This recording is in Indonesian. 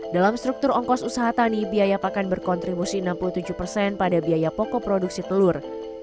dalam struktur ongkos usaha tani biaya pakan berkontribusi enam puluh tujuh persen pada biaya pokok produksi telur